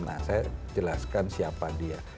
nah saya jelaskan siapa dia